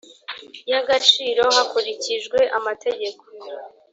y agaciro hakurikijwe amategeko